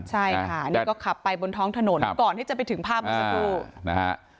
ใช่ค่ะนี่ก็ขับไปบนท้องถนนก่อนให้จะไปถึงภาพบุษกุอ่านะฮะ